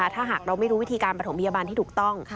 ถ้าหากเราไม่รู้วิธีการประถมพยาบาลที่ถูกต้อง